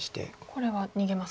これは逃げますか。